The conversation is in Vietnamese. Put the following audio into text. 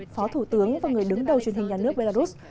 phó thủ tướng và người đứng đầu truyền hình nhà nước belarus